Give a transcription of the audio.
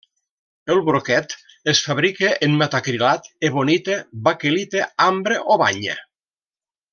El broquet es fabrica en metacrilat, ebonita, baquelita, ambre o banya.